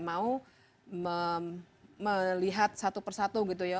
mau melihat satu persatu gitu ya